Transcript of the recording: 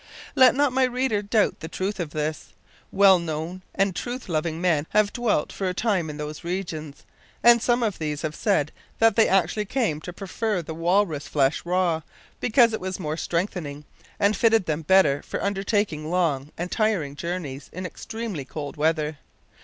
Let not my reader doubt the truth of this. Well known and truth loving men have dwelt for a time in those regions, and some of these have said that they actually came to prefer the walrus flesh raw, because it was more strengthening, and fitted them better for undertaking long and trying journeys in extremely cold weather.